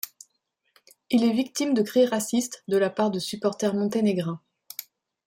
Il est victime de cris racistes de la part de supporters monténégrins.